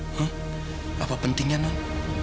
hah apa pentingnya non